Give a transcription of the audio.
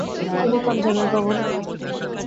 তিনি পাঞ্জাবের গভর্নর হন ।